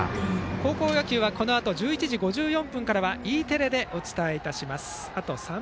高校野球はこのあと１１時５４分からはＥテレでお伝えいたします。